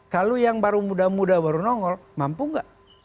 kalau yang baru muda muda baru nongol mampu nggak